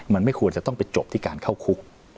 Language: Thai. มันไม่ควรจะต้องไปจบที่การเข้าคุก